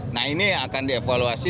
nah ini akan dievaluasi